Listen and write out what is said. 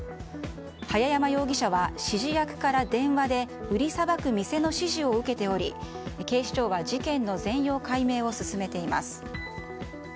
早山容疑者は指示役から電話で売りさばく店の指示を受けており警視庁が事件の全容解明を進めています。